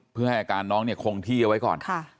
เพื่อให้อาการน้องคงที่ไว้ก่อน